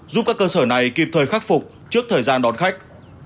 giúp các cơ sở này kịp thời khắc phục trước thời gian đón khách